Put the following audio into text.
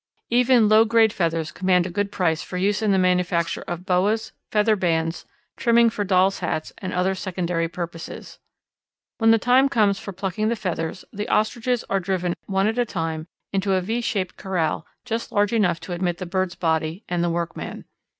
Even low grade feathers command a good price for use in the manufacture of boas, feather bands, trimming for doll's hats, and other secondary purposes. When the time comes for plucking the feathers, the Ostriches are driven one at a time into a V shaped corral just large enough to admit the bird's body and the workman.